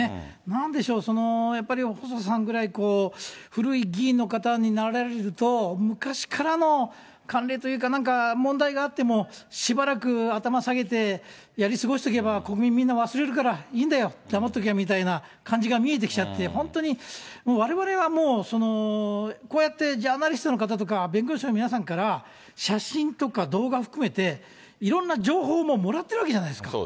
なんでしょう、やっぱり細田さんぐらい古い議員の方になられると、昔からの関連というか、なんか問題があっても、しばらく頭下げてやり過ごしておけば、国民みんな忘れるからいいんだよ、だまっときゃみたいな感じが見えてきちゃって、本当にわれわれはもう、こうやってジャーナリストの方とか、弁護士の皆さんから、写真とか動画含めて、いろんな情報をもらってるわけじゃないですか。